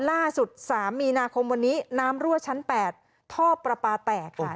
ล่าสุด๓มีนาคมวันนี้น้ำรั่วชั้น๘ท่อประปาแตกค่ะ